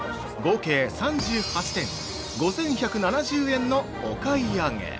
合計３８点、５１７０円のお買い上げ。